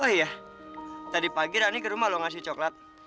oh iya tadi pagi rani ke rumah loh ngasih coklat